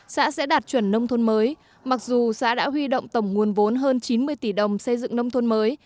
xã sẽ đạt chuẩn nông thôn mới mặc dù xã đã huy động tổng nguồn vốn hơn chín mươi tỷ đồng xây dựng nông thôn mới